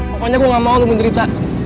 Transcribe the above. pokoknya gue gak mau lo menyerita